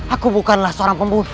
aku bukanlah seorang pembunuh